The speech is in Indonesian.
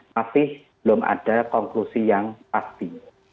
masih belum ada konklusi yang pasti